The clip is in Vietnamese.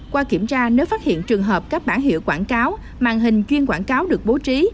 qua kiểm tra nếu phát hiện trường hợp các bản hiệu quảng cáo màn hình chuyên quảng cáo được bố trí